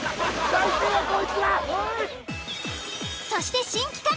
そして新企画。